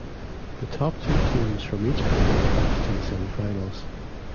The top two teams from each pool advanced to the semifinals.